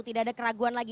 tidak ada keraguan lagi